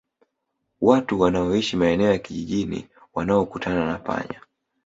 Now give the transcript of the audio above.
Watu wanaoishi maeneo ya kijijini wanaokutana na panya